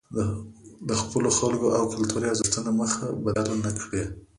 د خپلو خلکو او کلتوري ارزښتونو مخه بدله نکړي.